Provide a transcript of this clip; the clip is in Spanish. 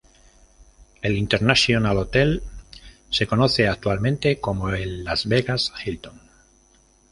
El "International Hotel" se conoce actualmente como el Las Vegas Hilton.